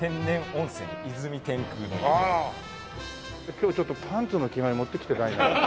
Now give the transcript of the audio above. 今日ちょっとパンツの着替え持ってきてないな。